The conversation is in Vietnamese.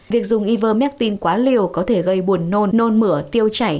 việc dùng ivermectin quá liều có thể gây buồn nôn nôn mửa tiêu chảy